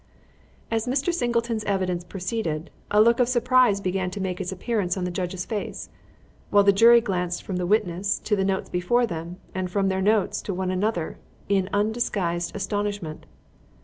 As Mr. Singleton's evidence proceeded, a look of surprise began to make its appearance on the judge's face, while the jury glanced from the witness to the notes before them and from their notes to one another in undisguised astonishment.